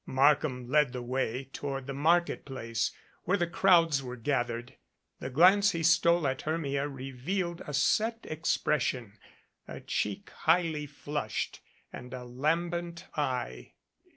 Markham led the way toward the market place, where the crowds were gathered. The glance he stole at Hermia revealed a set expression, a cheek highly flushed and a lambent eye.